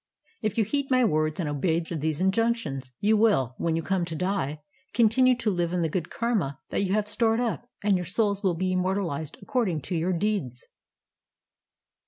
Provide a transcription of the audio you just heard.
"If you heed my words and obey these injunctions you will, when you come to die, continue to live in the good karma that you have stored up, and your souls will be immortalized according to your deeds."